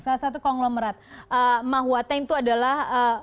salah satu konglomerat mahuate itu adalah